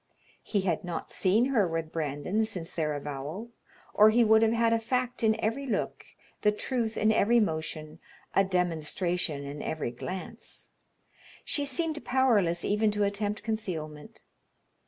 He had not seen her with Brandon since their avowal, or he would have had a fact in every look, the truth in every motion, a demonstration in every glance. She seemed powerless even to attempt concealment.